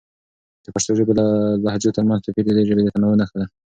د پښتو ژبې لهجو ترمنځ توپیر د دې ژبې د تنوع نښه ده.